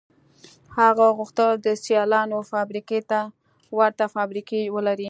هغه غوښتل د سیالانو فابریکو ته ورته فابریکې ولري